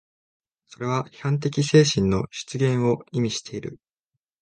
それは批判的精神の出現を意味している。